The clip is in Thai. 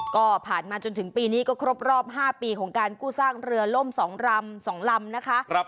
ก็ผ่านมาจนถึงปีนี้ก็ครบรอบ๕ปีของการกู้ซากเรือล่ม๒ลำ๒ลำนะคะ